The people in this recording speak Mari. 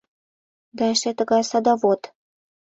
Да эше тыгай садовод...